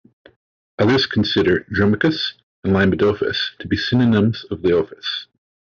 Others consider "Dromicus" and "Leimadophis" to be synonyms of "Liophis".